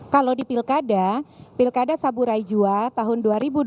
kalau di pilkada pilkada saburai jua tahun dua ribu dua puluh